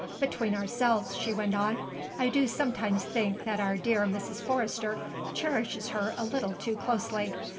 "Between ourselves," she went on, "I do sometimes think that our dear Mrs. Forrester cherishes her a little too closely.